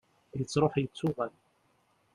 yettruḥ yettuɣal